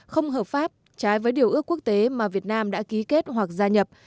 không hợp pháp trái với điều ước quốc tế mà việt nam đã ký kết hoặc gia nhập